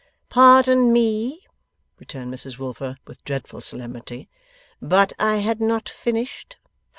'Pardon me,' returned Mrs Wilfer, with dreadful solemnity, 'but I had not finished.